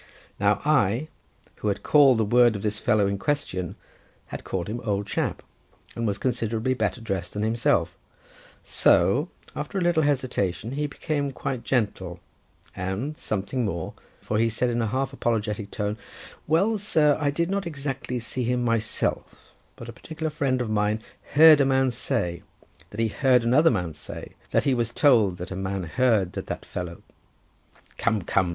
Now I, who had called the word of this man in question, had called him old chap, and was considerably better dressed than himself; so, after a little hesitation, he became quite gentle, and something more, for he said in a half apologetic tone—"Well, sir, I did not exactly see him myself, but a particular friend of mine heer'd a man say, that he heer'd another man say, that he was told that a man heer'd that that fellow—" "Come, come!"